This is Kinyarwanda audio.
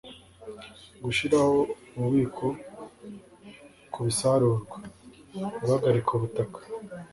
gushiraho ububiko kubisarurwa, guhagarika ubutaka